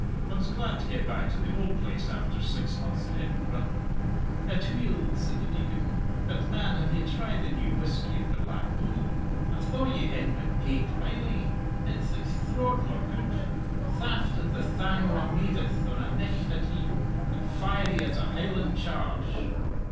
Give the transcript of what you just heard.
One's glad to get back to the old place after six months in Edinburgh." "Atweel," said the Deacon. "But, man, have you tried the new whisky at the Black Bull? I thaw ye in wi' Pate Wylie. It'th extr'ornar gude thaft as the thang o' a mavis on a nicht at e'en, and fiery as a Highland charge."